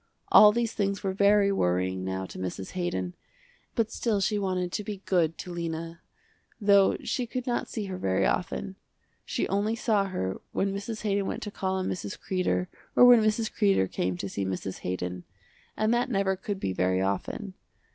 All these things were very worrying now to Mrs. Haydon, but still she wanted to be good to Lena, though she could not see her very often. She only saw her when Mrs. Haydon went to call on Mrs. Kreder or when Mrs. Kreder came to see Mrs. Haydon, and that never could be very often.